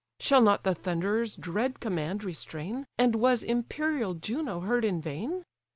Shall not the Thunderer's dread command restrain, And was imperial Juno heard in vain?